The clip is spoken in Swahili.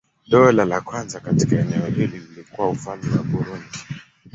Dola la kwanza katika eneo hili lilikuwa Ufalme wa Burundi.